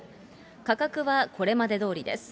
価格はこれまでどおりです。